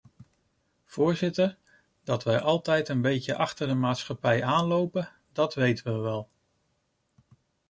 Voorzitter, dat wij altijd een beetje achter de maatschappij aanlopen, dat weten we wel.